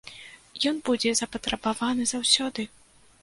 Ён будзе запатрабаваны заўсёды.